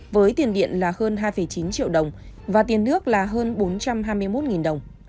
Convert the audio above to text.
với tiền điện là hơn hai chín triệu đồng và tiền nước là hơn bốn trăm hai mươi một đồng